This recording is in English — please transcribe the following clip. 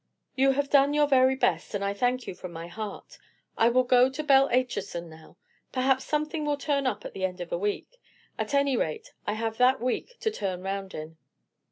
You have done your very best, and I thank you from my heart. I will go to Belle Acheson now. Perhaps something will turn up at the end of a week. At any rate, I have that week to turn round in."